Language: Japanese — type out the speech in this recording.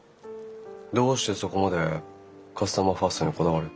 どうしてそこまでカスタマーファーストにこだわる？